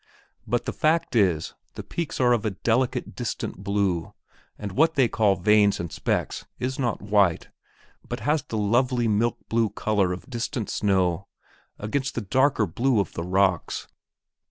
But the fact is, the peaks are of a delicate, distant blue, and what they call veins and specks is not white, but has the lovely milk blue color of distant snow against the darker blue of the rocks.